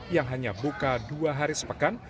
yang hanya buka dua hari sepekan